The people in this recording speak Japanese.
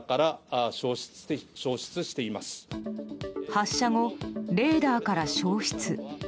発射後、レーダーから消失。